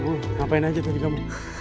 uh ngapain aja tadi kamu